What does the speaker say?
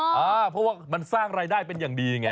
เพราะว่ามันสร้างรายได้เป็นอย่างดีไง